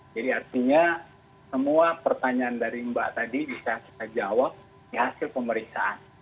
jadi artinya semua pertanyaan dari mbak tadi bisa kita jawab di hasil pemeriksaan